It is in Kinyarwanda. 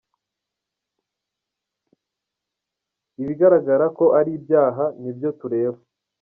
Ibigaragara ko ari ibyaha nibyo tureba.